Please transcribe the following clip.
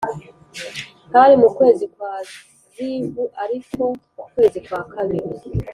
hari mu kwezi kwa Zivu ari ko kwezi kwa kabiri